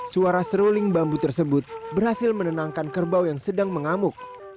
suara seruling bambu tersebut berhasil menenangkan kerbau yang sedang mengamuk